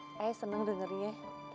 ayah seneng dengerin ya